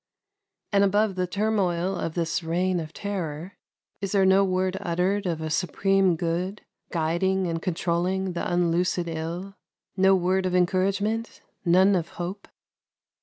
And above the turmoil of this reign of terror, is there no word uttered of a Supreme Good guiding and controlling the unloosed ill no word of encouragement, none of hope?